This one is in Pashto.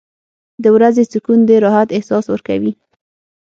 • د ورځې سکون د راحت احساس ورکوي.